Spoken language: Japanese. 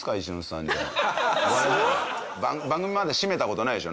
番組まだ締めた事ないでしょ？